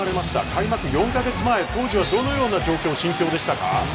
開幕４カ月前当時はどのような心境でしたか。